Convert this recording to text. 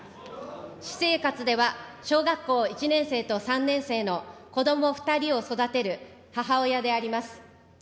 私生活では、小学校１年生と３年生のこども２人を育てる母親であります。